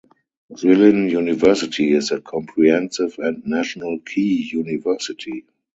Jilin University is a comprehensive and national key university.